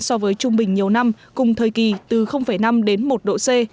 so với trung bình nhiều năm cùng thời kỳ từ năm đến một độ c